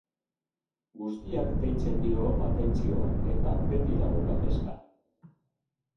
Guztiak deitzen dio atentzioa eta beti dago galdezka.